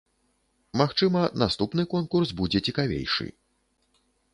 Магчыма, наступны конкурс будзе цікавейшы.